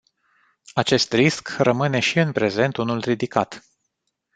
Acest risc rămâne și în prezent unul ridicat.